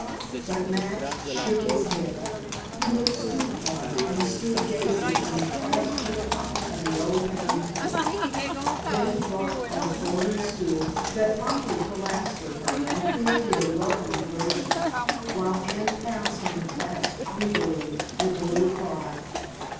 But Max shook his head; he looked stupefied, and stood gazing from the clasp to the pocket of the old painting coat. Betty dropped on a folding stool, that promptly collapsed with her and created a welcome diversion, while Anne pounced on the clasp greedily, with a little cry.